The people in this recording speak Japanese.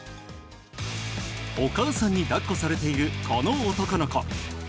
お母さんに抱っこされているこの男の子。